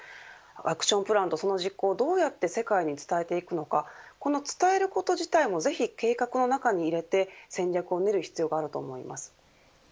アクションプランとその実行をどう世界に伝えていくのかこの伝えること自体もぜひ計画の中に入れて戦略を練る必要があると思います。